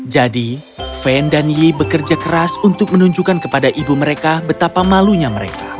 jadi fan dan yi bekerja keras untuk menunjukkan kepada ibu mereka betapa malunya mereka